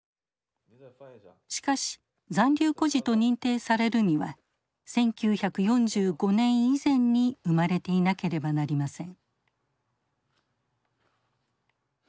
しかし残留孤児と認定されるには１９４５年以前に生まれていなければなりません。